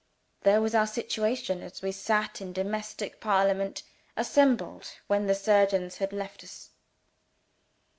There was our situation, as we sat in domestic parliament assembled, when the surgeons had left us!)